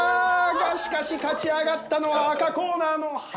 がしかし勝ち上がったのは赤コーナーのハデス！